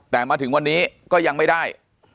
แต่มาถึงวันนี้ก็ยังไม่ได้